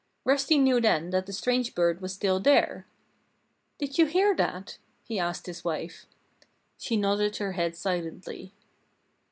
Rusty knew then that the strange bird was still there. "Did you hear that?" he asked his wife. She nodded her head silently.